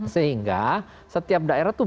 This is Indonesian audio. sehingga setiap daerah itu